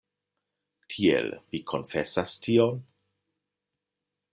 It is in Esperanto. Tiel, vi konfesas tion?